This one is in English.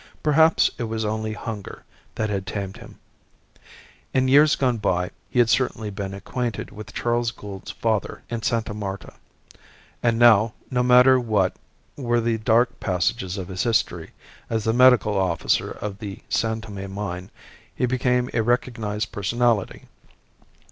Perhaps it was only hunger that had tamed him. In years gone by he had certainly been acquainted with Charles Gould's father in Sta. Marta; and now, no matter what were the dark passages of his history, as the medical officer of the San Tome mine he became a recognized personality.